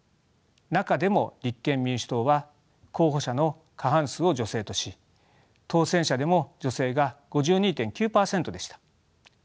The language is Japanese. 中でも立憲民主党は候補者の過半数を女性とし当選者でも女性が５２．９％でした。